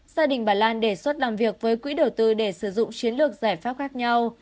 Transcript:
gia đình bà lan đề xuất làm việc với quỹ đầu tư để sử dụng chiến lược giải pháp khác nhau